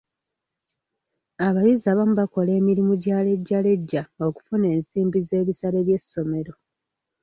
Abayizi abamu bakola emirimu gya lejjalejja okufuna ensimbi z'ebisale by'essomero.